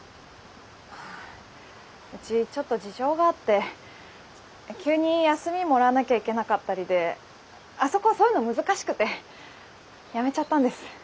あうちちょっと事情があって急に休みもらわなきゃいけなかったりであそこそういうの難しくて辞めちゃったんです。